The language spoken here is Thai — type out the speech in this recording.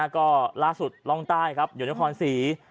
ก็ล่าสุดร่องใต้ครับอยู่นครศรี